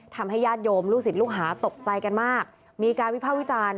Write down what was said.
ญาติโยมลูกศิษย์ลูกหาตกใจกันมากมีการวิภาควิจารณ์